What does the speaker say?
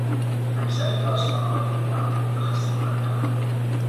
اکثر داستانهای او معمولی و خسته کنندهاند.